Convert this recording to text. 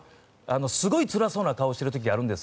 すごいつらそうな顔してるときあるんです。